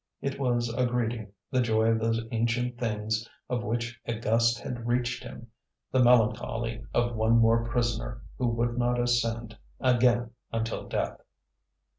It was a greeting, the joy of those ancient things of which a gust had reached him, the melancholy of one more prisoner who would not ascend again until death.